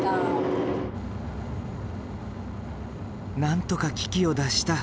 なんとか危機を脱した。